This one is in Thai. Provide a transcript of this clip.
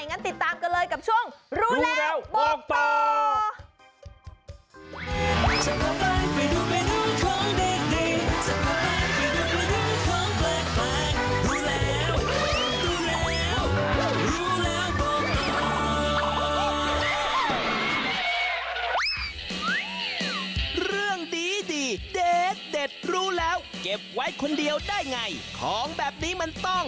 งั้นติดตามกันเลยกับช่วงรู้แล้วบอกต่อ